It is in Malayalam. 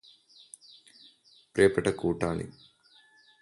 പ്രിയപ്പെട്ട കൂട്ടാളി